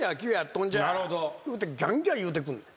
ギャンギャン言うてくんねん。